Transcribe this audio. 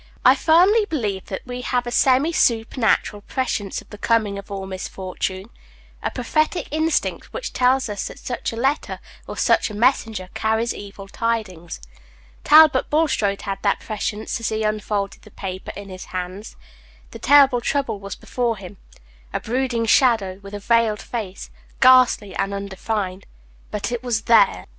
I firmly believe that we have a semi supernatural prescience of the coming of all misfortune; a prophetic instinct, which tells us that such a letter, or such a messenger, carries evil tidings. Talbot Bulstrode had that prescience as he unfolded the paper in his hands. The horrible trouble was before him a brooding shadow, with a veiled face, ghastly and undefined; but it was there.